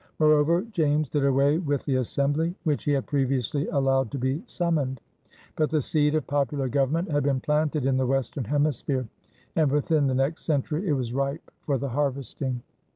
Moreover, James did away with the Assembly which he had previously allowed to be summoned. But the seed of popular government had been planted in the Western Hemisphere and within the next century it was ripe for the harvesting.